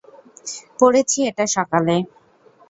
পড়েছি এটা সকালে।